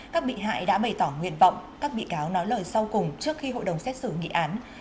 các bị hại đã bày tỏ nguyện vọng các bị cáo nói lời sau cùng trước khi hội đồng xét xử nghị án